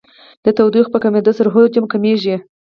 د تودوخې په کمېدو سره حجم کمیږي.